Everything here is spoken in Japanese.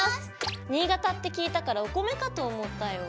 新潟って聞いたからお米かと思ったよ！